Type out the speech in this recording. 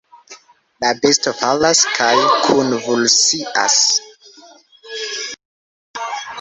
La besto falas kaj konvulsias.